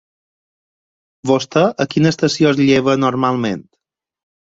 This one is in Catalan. Vostè a quina estació es lleva normalment?